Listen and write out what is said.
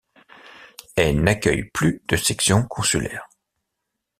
Elle n'accueille plus de section consulaire.